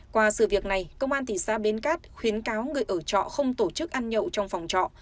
qua sự việc này công an thị xã bến cát khuyến cáo người ở trọ không tổ chức ăn nhậu trong phòng trọ